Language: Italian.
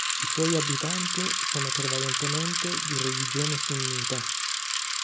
I suoi abitanti sono prevalentemente di religione sunnita.